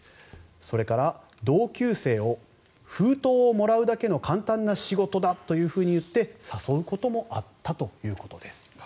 それから、同級生を封筒をもらうだけの簡単な仕事だといって誘うこともあったということです。